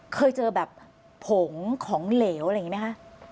เคยเจอแบบผงของเหลวอะไรอย่างนี้ไหมคะ